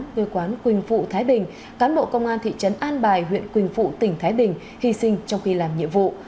người quán quỳnh phụ thái bình cán bộ công an thị trấn an bài huyện quỳnh phụ tỉnh thái bình hy sinh trong khi làm nhiệm vụ